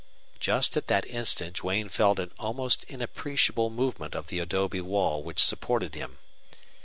Just at that instant Duane felt an almost inappreciable movement of the adobe wall which supported him.